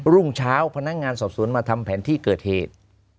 รุ่งเช้าพนักงานสอบสวนมาทำแผนที่เกิดเหตุ